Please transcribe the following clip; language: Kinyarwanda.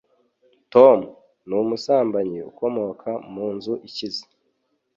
Tom numusambanyi ukomoka munzu ikize